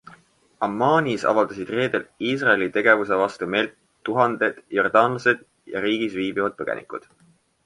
Ammanis avaldasid reedel Iisraeli tegevuse vastu meelt tuhanded jordaanlased ja riigis viibivad põgenikud.